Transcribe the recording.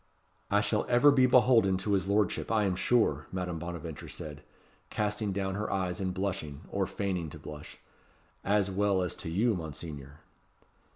"I shall ever be beholden to his lordship, I am sure," Madame Bonaventure said, casting down her eyes and blushing, or feigning to blush, "as well as to you, Monseigneur."